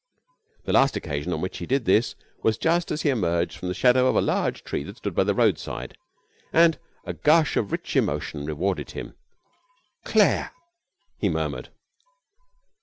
The last occasion on which he did this was just as he emerged from the shadow of a large tree that stood by the roadside, and a gush of rich emotion rewarded him. 'Claire!' he murmured.